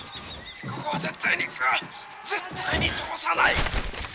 ここは絶対に絶対に通さない！」。